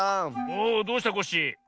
おおどうしたコッシー？